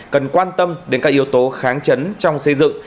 cần quan tâm đến các yếu tố kháng chiến trong xây dựng